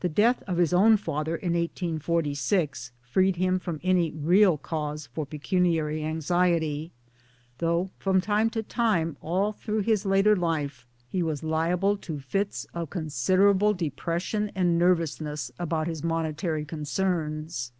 The death of his own father in 1846 freed him from any real cause for pecuniary anxiety though from time to time all through his later life he was liable to fits of consider _; MY DAYS AND; DREAMS able depression and nervousness about his monetary concerns.